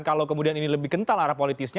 kalau kemudian ini lebih kental arah politisnya